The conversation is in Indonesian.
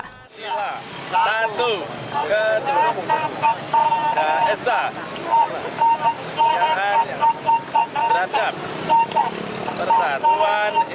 pancasila satu ketiga daesa siangannya beratam persatuan indonesia